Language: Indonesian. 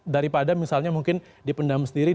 daripada misalnya mungkin dipendam sendiri